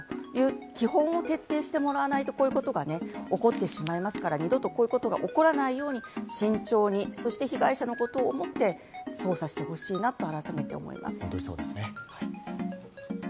基本を徹底してもらわないとこういうことがね、起こってしまいますから、二度とこういうことが起こらないように慎重に、そして被害者のことを思って捜査してほしいなと改めて思います。